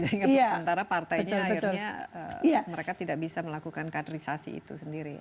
sementara partainya akhirnya mereka tidak bisa melakukan kaderisasi itu sendiri